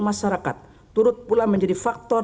masyarakat turut pula menjadi faktor